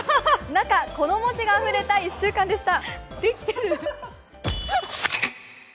中、この文字があふれた１週間でした。